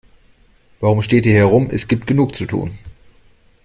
Warum steht ihr hier herum, es gibt genug zu tun.